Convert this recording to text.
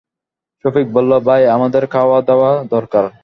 সফিক বলল, ভাই, আমাদের খাওয়াদাওয়া দরকার।